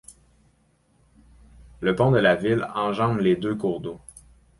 Le pont de la ville enjambe les deux cours d'eau.